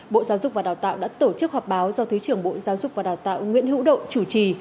bộ giáo dục và đào tạo đã tổ chức họp báo do thứ trưởng bộ giáo dục và đào tạo nguyễn hữu độ chủ trì